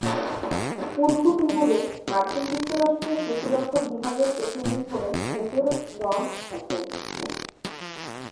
পূর্ব তিমুরে, মার্কিন যুক্তরাষ্ট্রের প্রতিরক্ষা বিভাগের প্রতিনিধি হলেন মেজর রন সার্জেন্ট।